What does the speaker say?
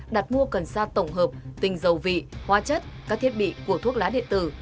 đặt mua cần sa tổng hợp tinh dầu vị hoa chất các thiết bị của thuốc lá điện tử